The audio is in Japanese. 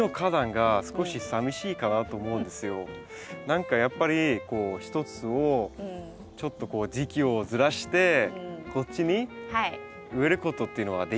何かやっぱり一つをちょっとこう時期をずらしてこっちに植えることっていうのはできないですかね？